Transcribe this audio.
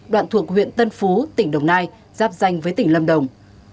đoạn thuộc huyện tân phú tỉnh đồng nai giáp danh với tỉnh lâm đồng